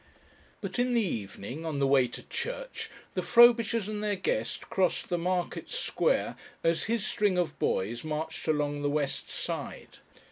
But in the evening, on the way to church, the Frobishers and their guest crossed the market square as his string of boys marched along the west side.